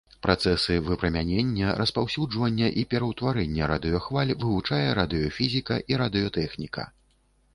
Працэсы выпрамянення, распаўсюджвання і пераўтварэння радыёхваль вывучае радыёфізіка і радыётэхніка.